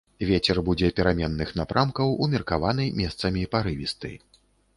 Вецер будзе пераменных напрамкаў, умеркаваны, месцамі парывісты.